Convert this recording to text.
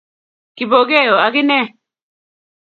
Kipokeo akine